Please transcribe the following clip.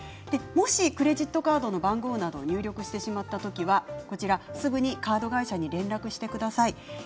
もし、クレジットカードの番号などを入力してしまったときはすぐにカード会社に連絡してください。